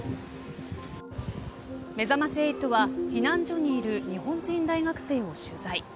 めざまし８は、避難所にいる日本人大学生を取材。